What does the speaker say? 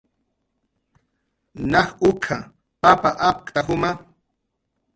najukha papa apkta juma